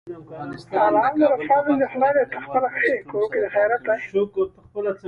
افغانستان د کابل په برخه کې نړیوالو بنسټونو سره کار کوي.